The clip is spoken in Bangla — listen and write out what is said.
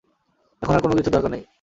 এখন আর কোন কিছুর দরকার নেই।